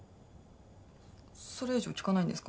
それ以上聞かないんですか？